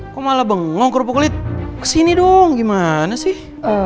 kok malah bengong kerupuk kulit kesini dong gimana sih